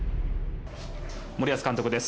森保監督です。